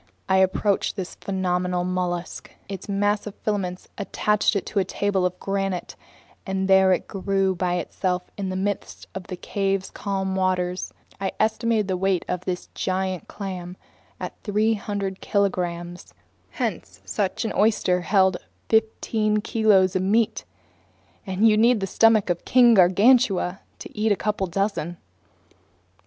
I approached this phenomenal mollusk. Its mass of filaments attached it to a table of granite, and there it grew by itself in the midst of the cave's calm waters. I estimated the weight of this giant clam at 300 kilograms. Hence such an oyster held fifteen kilos of meat, and you'd need the stomach of King Gargantua to eat a couple dozen.